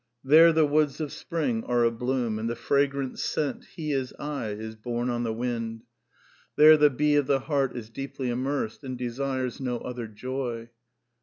There the woods of spring are a bloom, and the fragrant scent ' He is I ' is borne on the wind. There the bee of the heart is deeply immersed, and desires no other joy.